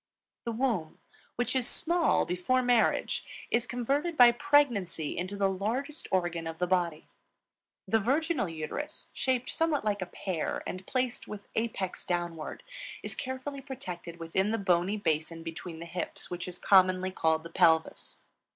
The womb, which is small before marriage, is converted by pregnancy into the largest organ of the body. The virginal uterus, shaped somewhat like a pear, and placed with apex downward, is carefully protected within the bony basin between the hips, which is commonly called the Pelvis.